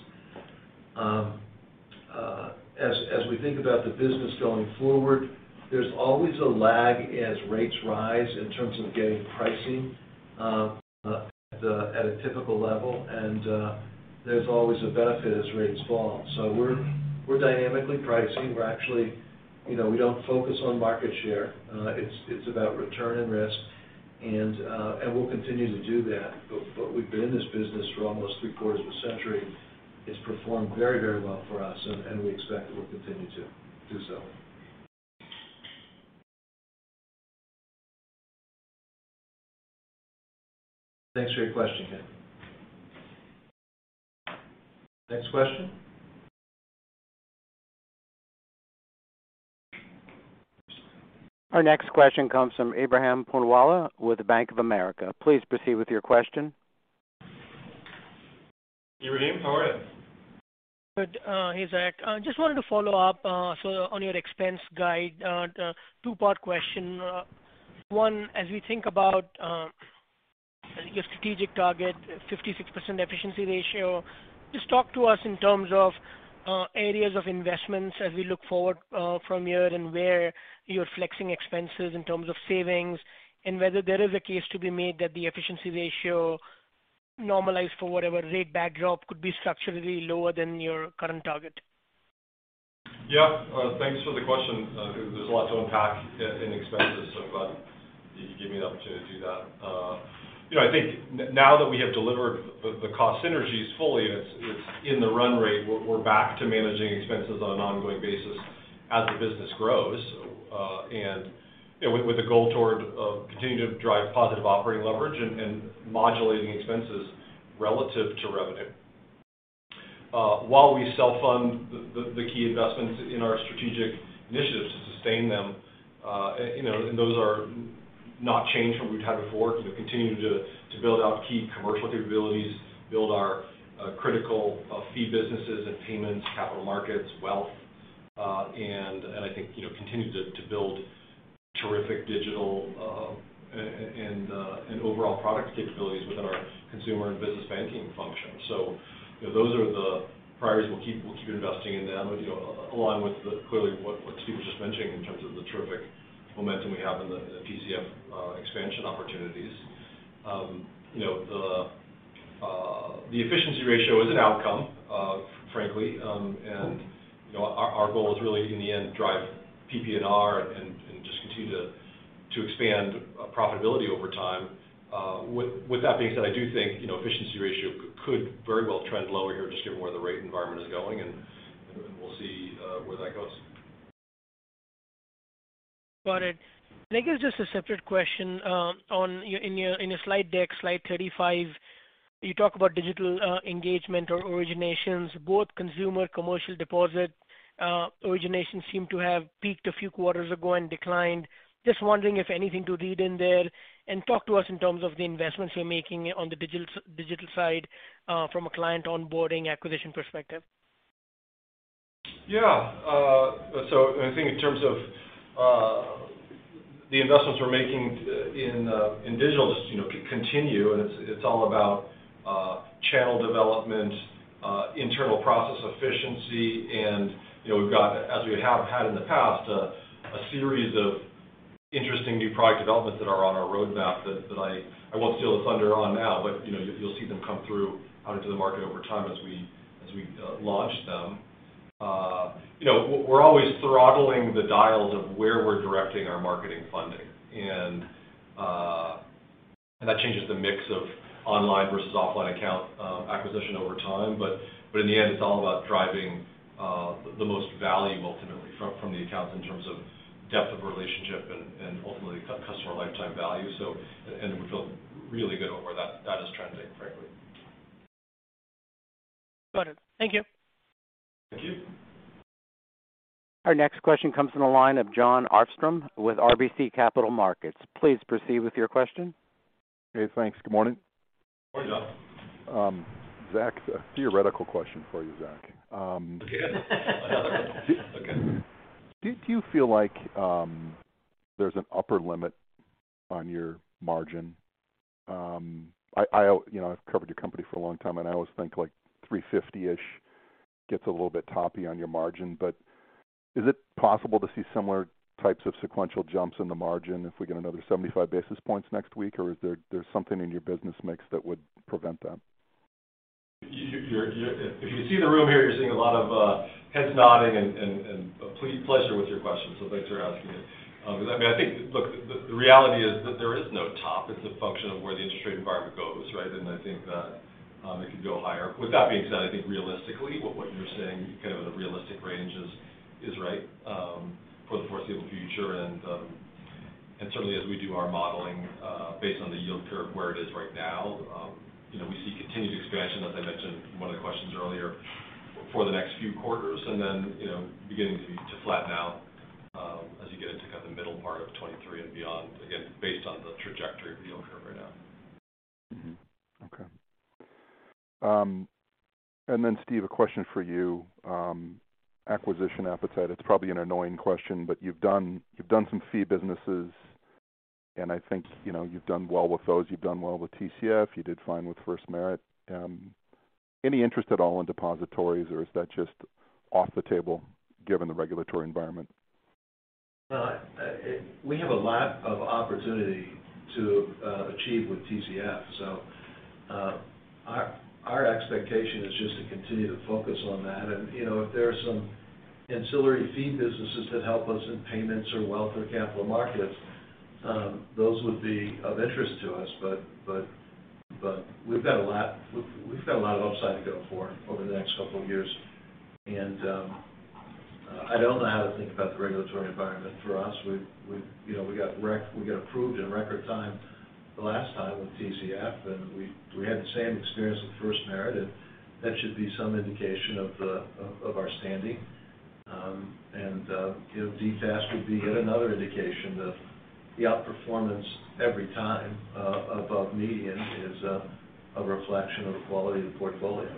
As we think about the business going forward, there's always a lag as rates rise in terms of getting pricing at a typical level. There's always a benefit as rates fall. We're dynamically pricing. We're actually, you know, we don't focus on market share. It's about return and risk. We'll continue to do that. We've been in this business for almost three-quarters of a century. It's performed very well for us, and we expect it will continue to do so. Thanks for your question, Ken. Next question. Our next question comes from Ebrahim Poonawala with Bank of America. Please proceed with your question. Ebrahim, how are you? Good. Hey, Zach. I just wanted to follow up so on your expense guide. Two-part question. One, as we think about your strategic target, 56% efficiency ratio, just talk to us in terms of areas of investments as we look forward from here and where you're flexing expenses in terms of savings. Whether there is a case to be made that the efficiency ratio normalized for whatever rate backdrop could be structurally lower than your current target. Yeah. Thanks for the question. There's a lot to unpack in expenses, so glad you gave me an opportunity to do that. You know, I think now that we have delivered the cost synergies fully and it's in the run rate, we're back to managing expenses on an ongoing basis as the business grows. You know, with the goal toward continuing to drive positive operating leverage and modulating expenses relative to revenue. While we self-fund the key investments in our strategic initiatives to sustain them, you know, and those are not changed from what we've had before. You know, continuing to build out key commercial capabilities, build our critical fee businesses and payments, capital markets, wealth. I think, you know, continue to build terrific digital and overall product capabilities within our consumer and business banking function. You know, those are the priorities. We'll keep investing in them, you know, along with what Steve was just mentioning in terms of the terrific momentum we have in the TCF expansion opportunities. You know, the efficiency ratio is an outcome, frankly. You know, our goal is really in the end drive PPNR and just continue to expand profitability over time. With that being said, I do think, you know, efficiency ratio could very well trend lower here just given where the rate environment is going, and, you know, we'll see where that goes. Got it. I guess just a separate question on your slide deck, slide 35, you talk about digital engagement or originations. Both consumer, commercial deposit originations seem to have peaked a few quarters ago and declined. Just wondering if anything to read in there. Talk to us in terms of the investments you're making on the digital side from a client onboarding acquisition perspective. Yeah. I think in terms of the investments we're making in digital, just you know continue, and it's all about channel development, internal process efficiency. You know, we've got, as we have had in the past, a series of interesting new product developments that are on our roadmap that I won't steal the thunder on now, but you know, you'll see them come through out into the market over time as we launch them. You know, we're always throttling the dials of where we're directing our marketing funding. That changes the mix of online versus offline account acquisition over time. In the end, it's all about driving the most value ultimately from the accounts in terms of depth of relationship and ultimately customer lifetime value. We feel really good where that is trending, frankly. Got it. Thank you. Thank you. Our next question comes from the line of Jon Arfstrom with RBC Capital Markets. Please proceed with your question. Okay, thanks. Good morning. Good morning, John. Zach, a theoretical question for you, Zach. Okay. Another one. Okay. Do you feel like there's an upper limit on your margin? I, you know, I've covered your company for a long time, and I always think like 3.50%-ish gets a little bit toppy on your margin. Is it possible to see similar types of sequential jumps in the margin if we get another 75 basis points next week? Is there something in your business mix that would prevent that? If you see the room here, you're seeing a lot of heads nodding and pleasure with your question, so thanks for asking it. Because I mean, look, the reality is that there is no top. It's a function of where the interest rate environment goes, right? I think that it could go higher. With that being said, I think realistically, what you're saying kind of the realistic range is right for the foreseeable future. Certainly as we do our modeling, based on the yield curve where it is right now, you know, we see continued expansion, as I mentioned in one of the questions earlier, for the next few quarters, and then, you know, beginning to flatten out, as you get into kind of the middle part of 2023 and beyond, again, based on the trajectory of the yield curve right now. Okay. Steve, a question for you. Acquisition appetite, it's probably an annoying question, but you've done some fee businesses, and I think, you know, you've done well with those. You've done well with TCF. You did fine with FirstMerit. Any interest at all in depositories, or is that just off the table given the regulatory environment? No. We have a lot of opportunity to achieve with TCF. Our expectation is just to continue to focus on that. You know, if there are some ancillary fee businesses that help us in payments or wealth or capital markets, those would be of interest to us. But we've got a lot of upside to go for over the next couple of years. I don't know how to think about the regulatory environment for us. You know, we got approved in record time last time with TCF, and we had the same experience with FirstMerit, and that should be some indication of our standing. You know, DFAST would be yet another indication of the outperformance every time, above median is a reflection of the quality of the portfolio.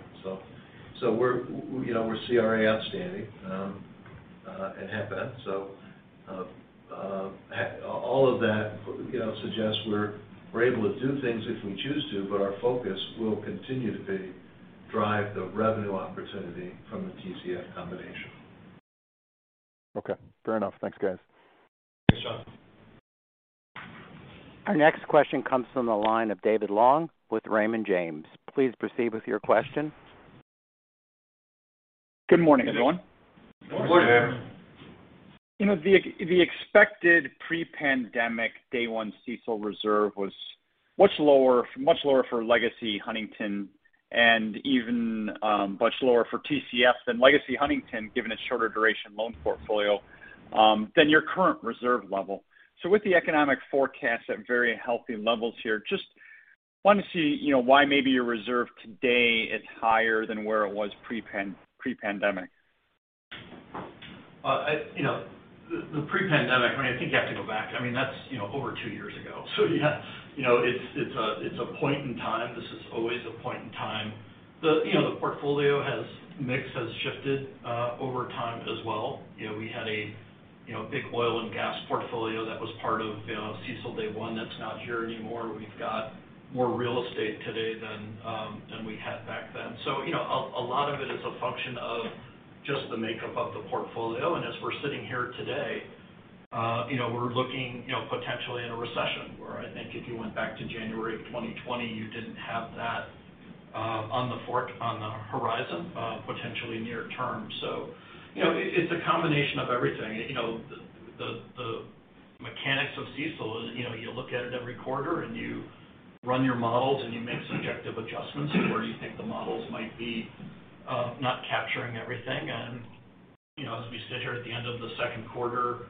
We're, you know, CRA outstanding and have been. All of that, you know, suggests we're able to do things if we choose to, but our focus will continue to be drive the revenue opportunity from the TCF combination. Okay. Fair enough. Thanks, guys. Thanks, John. Our next question comes from the line of David Long with Raymond James. Please proceed with your question. Good morning, everyone. Good morning. Good morning. You know, the expected pre-pandemic day one CECL reserve was much lower for legacy Huntington and even much lower for TCF than legacy Huntington, given its shorter duration loan portfolio than your current reserve level. With the economic forecast at very healthy levels here, just want to see why maybe your reserve today is higher than where it was pre-pandemic. You know, the pre-pandemic, I mean, I think you have to go back. I mean, that's, you know, over two years ago. Yeah, you know, it's a point in time. This is always a point in time. You know, the portfolio mix has shifted over time as well. You know, we had a big oil and gas portfolio that was part of CECL day one that's not here anymore. We've got more real estate today than we had back then. You know, a lot of it is a function of just the makeup of the portfolio. As we're sitting here today, you know, we're looking, you know, potentially at a recession, where I think if you went back to January of 2020, you didn't have that on the horizon potentially near term. You know, it's a combination of everything. You know, the mechanics of CECL is, you know, you look at it every quarter and you run your models and you make subjective adjustments where you think the models might be not capturing everything. You know, as we sit here at the end of the second quarter,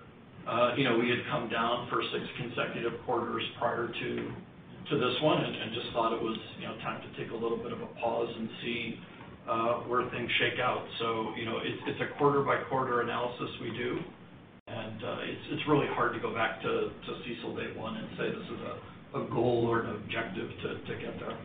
you know, we had come down for six consecutive quarters prior to this one and just thought it was, you know, time to take a little bit of a pause and see where things shake out. You know, it's a quarter-by-quarter analysis we do. It's really hard to go back to CECL day one and say, this is a goal or an objective to get there.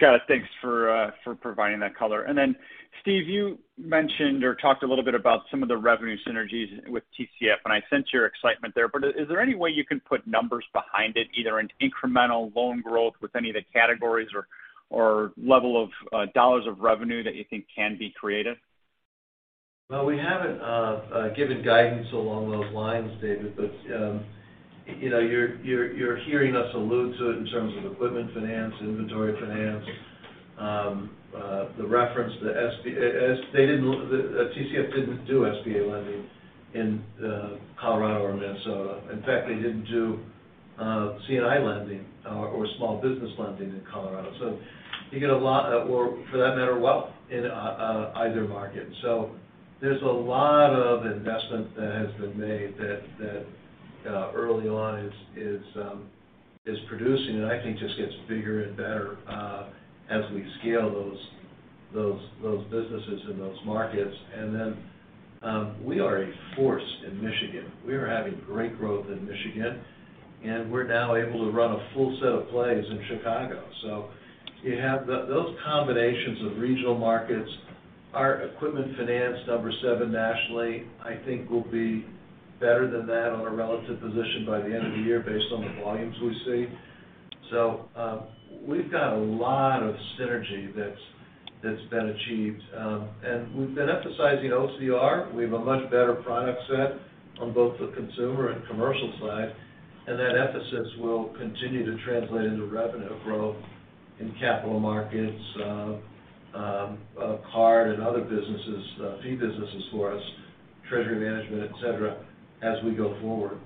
Got it. Thanks for providing that color. Then Steve, you mentioned or talked a little bit about some of the revenue synergies with TCF, and I sense your excitement there. Is there any way you can put numbers behind it, either in incremental loan growth with any of the categories or level of dollars of revenue that you think can be created? Well, we haven't given guidance along those lines, David, but you know, you're hearing us allude to it in terms of equipment finance, inventory finance, the reference to the SBA, as they didn't TCF didn't do SBA lending in Colorado or Minnesota. In fact, they didn't do C&I lending or small business lending in Colorado. So you get a lot or for that matter, wealth in either market. So there's a lot of investment that has been made that early on is producing and I think just gets bigger and better as we scale those businesses in those markets. Then, we are a force in Michigan. We are having great growth in Michigan, and we're now able to run a full set of plays in Chicago. You have those combinations of regional markets. Our equipment finance, number seven nationally, I think will be better than that on a relative position by the end of the year based on the volumes we see. We've got a lot of synergy that's been achieved. We've been emphasizing OCR. We have a much better product set on both the consumer and commercial side, and that emphasis will continue to translate into revenue growth in capital markets, card and other businesses, fee businesses for us, treasury management, et cetera, as we go forward.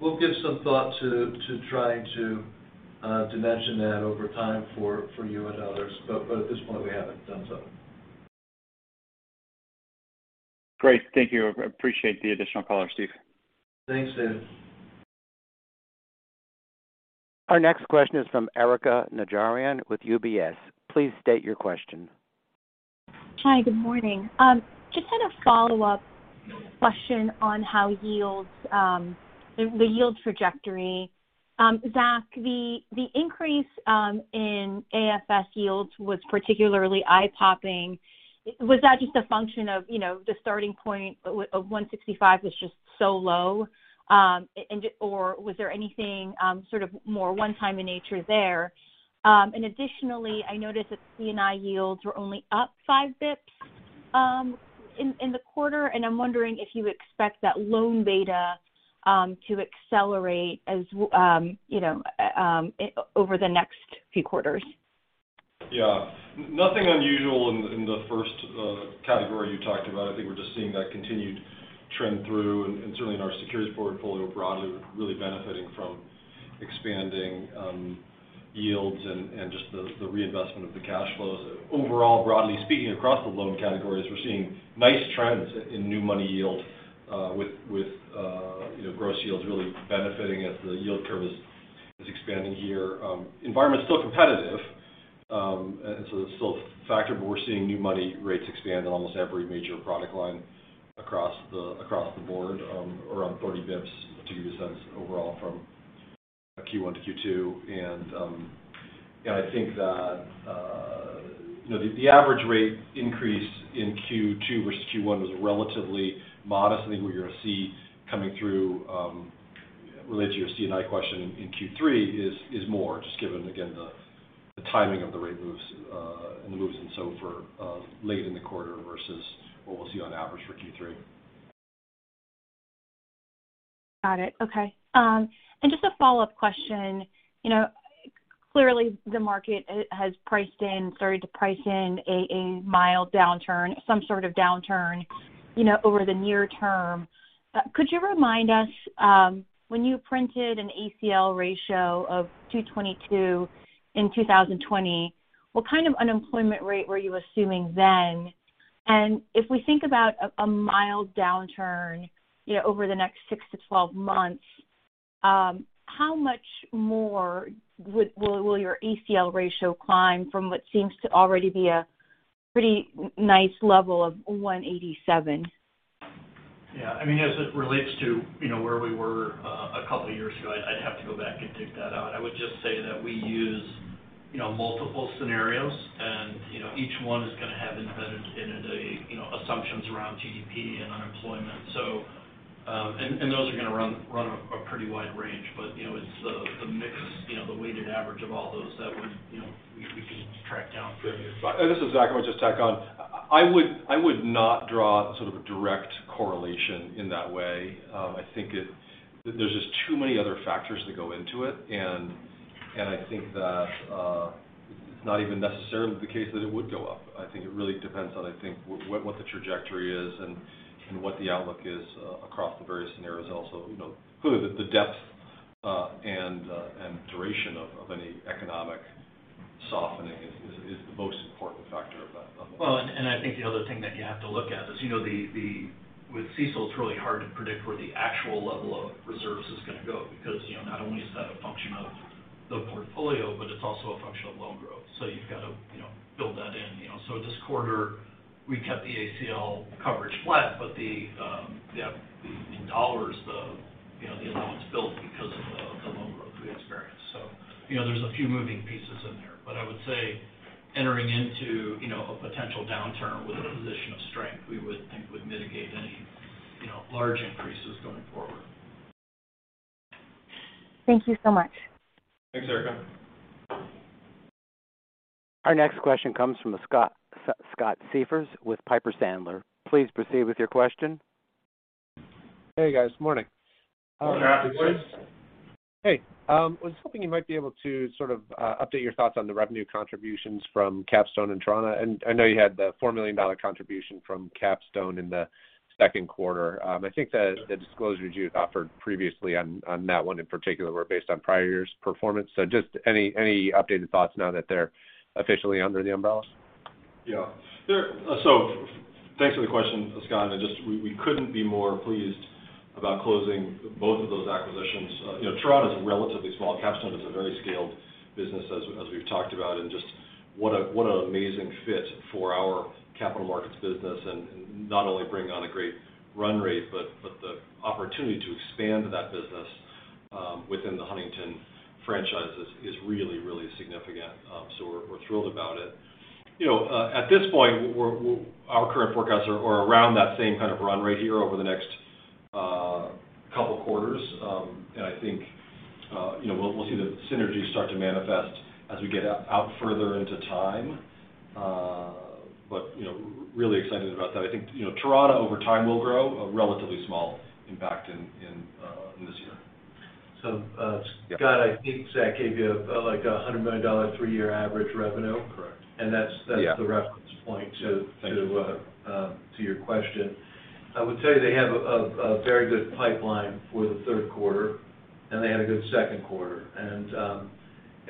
We'll give some thought to trying to dimension that over time for you and others. At this point, we haven't done so. Great. Thank you. I appreciate the additional color, Steve. Thanks, David. Our next question is from Erika Najarian with UBS. Please state your question. Hi, good morning. Just had a follow-up question on how yields, the yield trajectory. Zach, the increase in AFS yields was particularly eye-popping. Was that just a function of, you know, the starting point of 165 was just so low? Or was there anything sort of more one-time in nature there? Additionally, I noticed that C&I yields were only up 5 basis points in the quarter. I'm wondering if you expect that loan beta to accelerate, you know, over the next few quarters. Yeah. Nothing unusual in the first category you talked about. I think we're just seeing that continued trend through, and certainly in our securities portfolio broadly, we're really benefiting from expanding yields and just the reinvestment of the cash flows. Overall, broadly speaking, across the loan categories, we're seeing nice trends in new money yield with you know, gross yields really benefiting as the yield curve is expanding here. Environment's still competitive, and so it's still a factor, but we're seeing new money rates expand in almost every major product line across the board, around 30 basis points to give you a sense overall from Q1 to Q2. I think that you know, the average rate increase in Q2 versus Q1 was relatively modest. I think what you're going to see coming through related to your C&I question in Q3 is more just given again the timing of the rate moves and the moves and so for late in the quarter versus what we'll see on average for Q3. Got it. Okay. Just a follow-up question. You know, clearly the market has started to price in a mild downturn, some sort of downturn, you know, over the near term. Could you remind us, when you printed an ACL ratio of 222 in 2020, what kind of unemployment rate were you assuming then? If we think about a mild downturn, you know, over the next six to twelve months, how much more will your ACL ratio climb from what seems to already be a pretty nice level of 187? Yeah. I mean, as it relates to, you know, where we were a couple of years ago, I'd have to go back and dig that out. I would just say that we use, you know, multiple scenarios and, you know, each one is going to have embedded in it, you know, assumptions around GDP and unemployment. Those are gonna run a pretty wide range. You know, it's the mix, you know, the weighted average of all those that would, you know, we can track down for you. This is Zach. I'm gonna just tack on. I would not draw sort of a direct correlation in that way. I think there's just too many other factors that go into it. I think that it's not even necessarily the case that it would go up. I think it really depends on, I think, what the trajectory is and what the outlook is across the various scenarios. Also, you know, clearly the depth and duration of any economic softening is the most important factor of that. I think the other thing that you have to look at is, you know, the-- with CECL, it's really hard to predict where the actual level of reserves is gonna go because, you know, not only is that a function of the portfolio, but it's also a function of loan growth. You've got to, you know, build that in, you know. This quarter, we kept the ACL coverage flat, but the dollars, you know, the allowance built because of the loan growth we experienced. You know, there's a few moving pieces in there. I would say entering into, you know, a potential downturn with a position of strength, we would think would mitigate any, you know, large increases going forward. Thank you so much. Thanks, Erika. Our next question comes from Scott Siefers with Piper Sandler. Please proceed with your question. Hey, guys. Morning. Morning, Scott. Morning. Hey. I was hoping you might be able to sort of update your thoughts on the revenue contributions from Capstone and Torana. I know you had the $4 million contribution from Capstone in the second quarter. I think the disclosures you offered previously on that one in particular were based on prior year's performance. Just any updated thoughts now that they're officially under the umbrella? Thanks for the question, Scott. We couldn't be more pleased about closing both of those acquisitions. You know, Torana is a relatively small-cap standalone. It's a very scaled business as we've talked about, and what an amazing fit for our capital markets business. And not only bring on a great run rate, but the opportunity to expand that business within the Huntington franchises is really, really significant. So we're thrilled about it. You know, at this point, our current forecasts are around that same kind of run rate here over the next couple quarters. And I think, you know, we'll see the synergies start to manifest as we get out further into time. You know, really excited about that. I think, you know, Torana over time will grow a relatively small impact in this year. So, uh- Yeah. Scott, I think Zach gave you $100 million three-year average revenue. Correct. And that's- Yeah. ...the reference point to- Thank you. ...to your question. I would say they have a very good pipeline for the third quarter, and they had a good second quarter.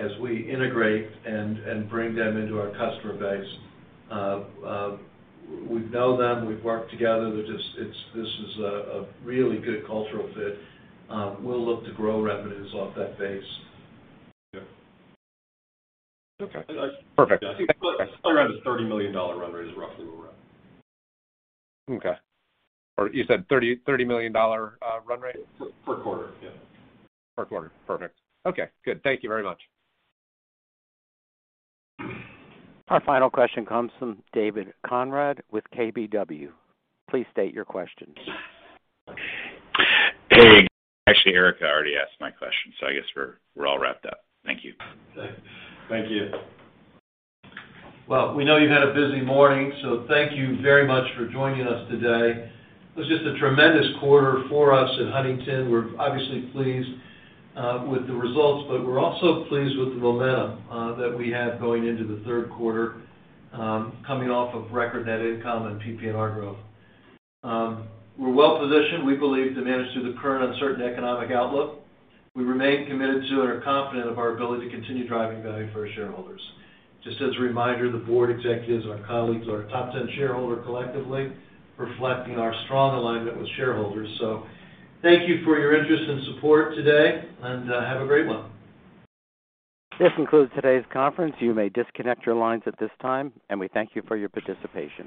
As we integrate and bring them into our customer base, we know them, we've worked together. This is a really good cultural fit. We'll look to grow revenues off that base. Yeah. Okay. Perfect. I think probably around a $30 million run rate is roughly where we're at. Okay. You said $30 million run rate? Per quarter, yeah. Per quarter. Perfect. Okay, good. Thank you very much. Our final question comes from David Konrad with KBW. Please state your question. Hey. Actually, Erika already asked my question, so I guess we're all wrapped up. Thank you. Okay. Thank you. Well, we know you've had a busy morning, so thank you very much for joining us today. It was just a tremendous quarter for us at Huntington. We're obviously pleased with the results, but we're also pleased with the momentum that we have going into the third quarter, coming off of record net income and PPNR growth. We're well positioned, we believe, to manage through the current uncertain economic outlook. We remain committed to and are confident of our ability to continue driving value for our shareholders. Just as a reminder, the board executives, our colleagues, are a top ten shareholder collectively, reflecting our strong alignment with shareholders. Thank you for your interest and support today, and have a great one. This concludes today's conference. You may disconnect your lines at this time, and we thank you for your participation.